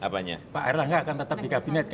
pak erlangga akan tetap di kabinet